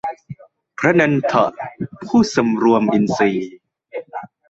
พระนันทะ ผู้สำรวมอินทรีย์